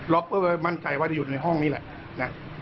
ล็อคเพื่อมั่นใจว่าจะอยู่ในห้องนี้แหละ